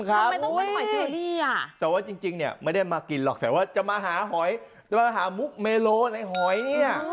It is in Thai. แต่ว่าจริงเนี่ยไม่ได้มากินหรอกแต่ว่าจะมาหาหอยจะมาหามุกเมโลในหอยเนี่ย